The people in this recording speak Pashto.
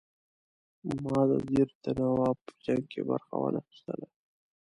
ما د دیر د نواب په جنګ کې برخه وانه خیستله.